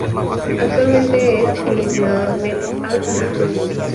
Actualmente es el entrenador del Al-Nasr.